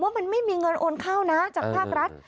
ว่ามันไม่มีเงินโอนเข้านะจากภาครัฐ